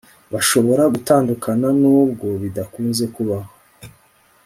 bashobora gutandukana nubwo bidakunze kubaho